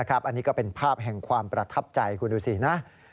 อันนี้ก็เป็นภาพแห่งความประทับใจคุณดูสินะ